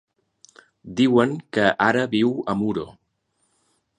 Diuen que ara viu a Muro.